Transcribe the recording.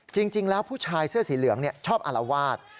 จริงแล้วผู้ชายเสื้อสีเหลืองชอบอารวาส